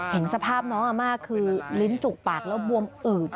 เห็นสภาพน้องอาม่าคือลิ้นจุกปากแล้วบวมอืด